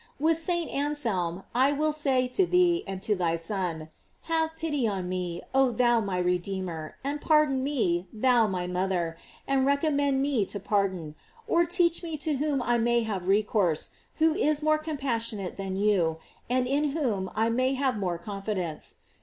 With St. Anselra, 1 will say to thee, and to thy Son : Have pity on me, oh thou, my Redeemer, and pardon me, thou my mother, and recommend me to pardon; or teach me to whom I may have recourse, who is more com passionate than you, and in whom I may have more confidence.